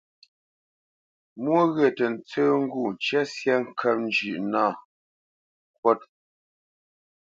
Mwô ghyə̂ tə tsə́ ŋgû ncə́ syâ ŋkə́p njʉ̌ʼ ŋkwút nâ.